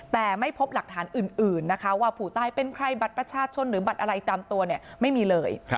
แต่ไม่พบหลักฐานอื่นนะคะว่าผู้ตายเป็นใครบัตรประชาชนหรือบัตรอะไรตามตัวเนี่ยไม่มีเลย